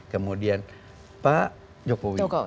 kemudian pak jokowi